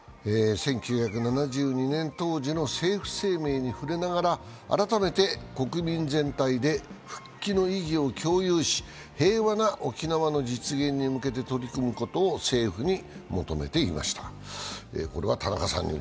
１９７２年当時の政府声明に触れながら改めて、国民全体で復帰の意義を共有し平和な沖縄の実現に向けて取り組むことを政府に求めていました。